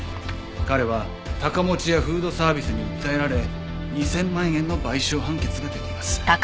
彼は高持屋フードサービスに訴えられ２０００万円の賠償判決が出ています。